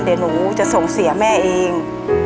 เดี๋ยวหนูจะส่งเสียแม่เอง